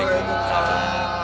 ini mengajarin gaji juga